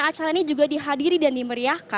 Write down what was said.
acara ini juga dihadiri dan di meriah